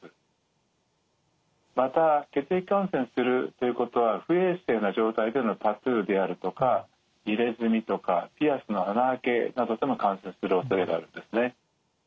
また血液感染するということは不衛生な状態でのタトゥーであるとか入れ墨とかピアスの穴開けなどでも感染するおそれがあるんですね。